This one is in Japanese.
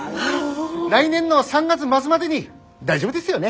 来年の３月末までに大丈夫ですよね？